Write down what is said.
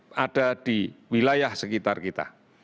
ini harus ada di wilayah sekitar kita